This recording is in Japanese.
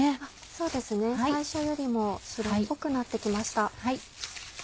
そうですね最初よりも白っぽくなって来ました。